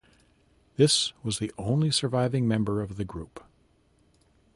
This was the only surviving member of the group.